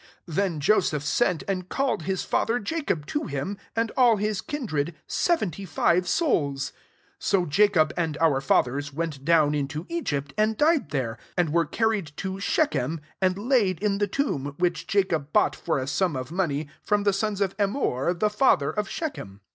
14 Then Joseph sent, and called his fa ther [Jacob] to himi and all hi9 kindred, seventy five souls. 15 So Jacob and our fathers went down into Egypt, and died there; 16 and were carried to Shechem,* andlaid in the tomb, which Jacobs bought for a sum of money from the sons of Em mor, the father of Shechem.)